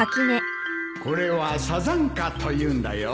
これはサザンカというんだよ